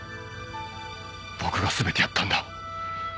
僕が全てやったんだ。